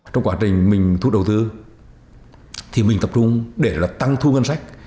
trong quá trình mình thuốc đầu tư thì mình tập trung để tăng thu ngân sách